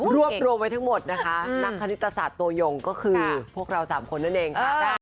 รวบรวมไว้ทั้งหมดนะคะนักคณิตศาสตร์ตัวยงก็คือพวกเรา๓คนนั่นเองค่ะ